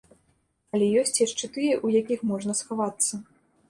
Але ёсць яшчэ тыя, у якіх можна схавацца.